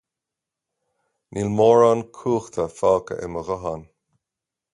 Níl mórán cumhachta fágtha i mo ghuthán